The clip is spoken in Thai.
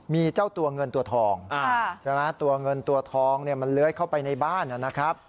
มีเจ้าตัวเงินตัวทองใช่ไหมตัวเงินตัวทองเนี่ยมันเลื้อยเข้าไปในบ้านนะครับ